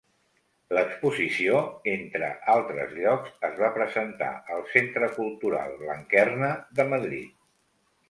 L'exposició, entre altres llocs, es va presentar al Centre Cultural Blanquerna de Madrid.